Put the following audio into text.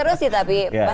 seru sih tapi